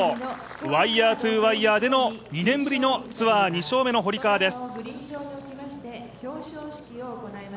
ワイヤー・トゥ・ワイヤーでの２年ぶりのツアー２勝目の堀川です。